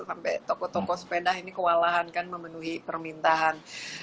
sampai toko toko sepeda ini kewalahan kan memenuhi permintaan